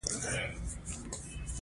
هېڅ تروړونکی يې نشته.